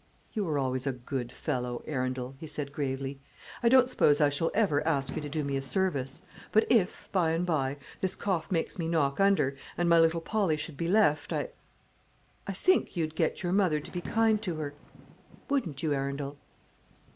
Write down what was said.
"You were always a good fellow, Arundel," he said, gravely. "I don't suppose I shall ever ask you to do me a service; but if, by and by, this cough makes me knock under, and my little Polly should be left I I think you'd get your mother to be kind to her, wouldn't you, Arundel?"